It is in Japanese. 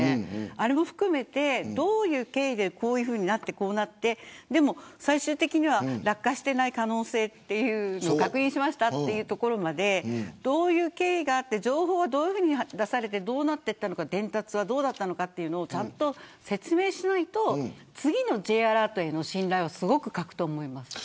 それも含めてどういう経緯でこうなって最終的には落下していない可能性を確認しましたというところまでどういう経緯があって情報はどういうふうに出されてどうなっていったのか伝達はどうだったのかというのをちゃんと説明しないと次のＪアラートへの信頼をすごく欠くと思います。